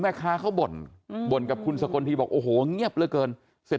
แม่ค้าเขาบ่นบ่นกับคุณสกลทีบอกโอ้โหเงียบเหลือเกินเสร็จ